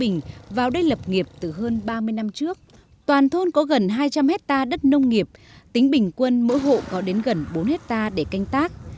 ba mươi năm trước toàn thôn có gần hai trăm linh hectare đất nông nghiệp tính bình quân mỗi hộ có đến gần bốn hectare để canh tác